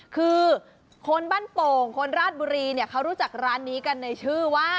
คือคนบ้านโป่งคนราชบุรีเนี่ยเขารู้จักร้านนี้กันในชื่อว่า